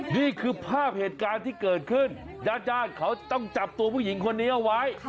นี่คือภาพเหตุการณ์ที่เกิดขึ้นญาติญาติเขาต้องจับตัวผู้หญิงคนนี้เอาไว้